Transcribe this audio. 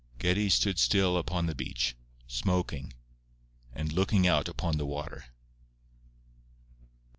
Geddie stood still upon the beach, smoking and looking out upon the water.